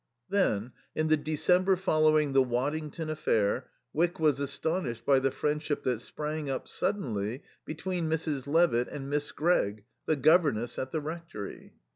Then, in the December following the Waddington affair, Wyck was astonished by the friendship that sprang up, suddenly, between Mrs. Levitt and Miss Gregg, the governess at the rectory.